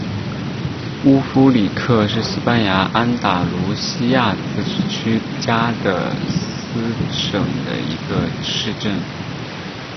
乌夫里克是西班牙安达卢西亚自治区加的斯省的一个市镇。